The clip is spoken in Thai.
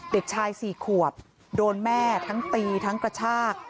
เด็กชาย๔ขวบโดนแม่ทั้งตีทั้งกระชาก